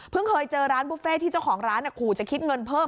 เคยเจอร้านบุฟเฟ่ที่เจ้าของร้านขู่จะคิดเงินเพิ่ม